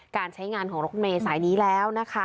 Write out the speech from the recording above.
การใช้งานของรถเมย์สายนี้แล้วนะคะ